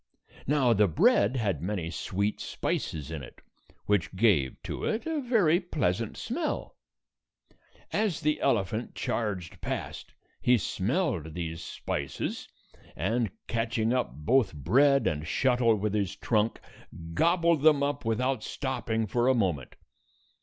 Now the bread had many sweet spices in it, which gave to it a very pleasant smell. As the elephant charged past, he smelled these spices, and, catching up both bread and shuttle with his trunk, gobbled them up without stopping for a moment.